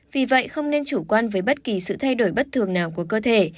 vì vậy không nên chủ quan với bất kỳ sự thay đổi bất thường nào của cơ thể